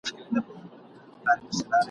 پرېږده نن سبا که د مرګي پر شونډو یاد سمه ..